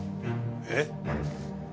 えっ？